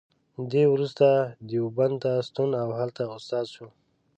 دی وروسته دیوبند ته ستون او هلته استاد شو.